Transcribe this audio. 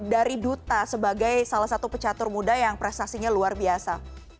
dari duta sebagai salah satu pecatur muda yang prestasinya luar biasa